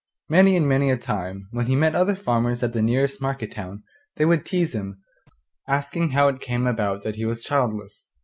Many and many a time, when he met other farmers at the nearest market town, they would teaze him, asking how it came about that he was childless.